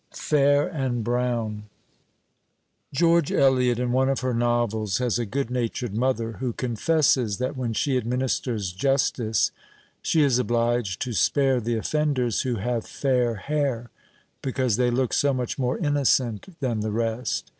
FAIR AND BROWN George Eliot, in one of her novels, has a good natured mother, who confesses that when she administers justice she is obliged to spare the offenders who have fair hair, because they look so much more innocent than the rest.